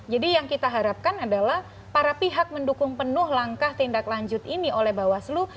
jadi yang kita harapkan adalah para pihak mendukung penuh langkah tindak lanjut ini oleh bawaslu